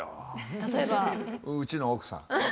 例えば？うちの奥さん。